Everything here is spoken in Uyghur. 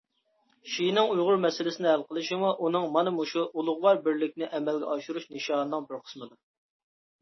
شىنىڭ ئۇيغۇر مەسىلىسىنى ھەل قىلىشىمۇ ئۇنىڭ مانا مۇشۇ ئۇلۇغۋار بىرلىكنى ئەمەلگە ئاشۇرۇش نىشانىنىڭ بىر قىسمىدۇر.